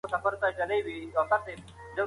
د کولرا خپرېدو وړاندوینه د خلکو ژوند ژغوري.